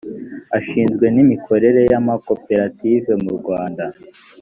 ashinzwe n’imikorere y’amakoperative mu rwanda